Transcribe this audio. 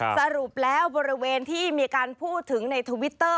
สรุปแล้วบริเวณที่มีการพูดถึงในทวิตเตอร์